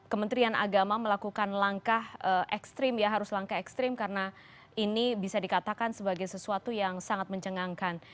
kementerian agama melakukan langkah ekstrim ya harus langkah ekstrim karena ini bisa dikatakan sebagai sesuatu yang sangat mencengangkan